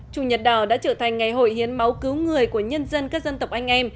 chủ nhật đỏ đã trở thành ngày hội hiến máu cứu người của nhân dân các dân tộc anh em